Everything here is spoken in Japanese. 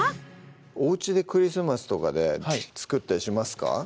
おうちでクリスマスとかで作ったりしますか？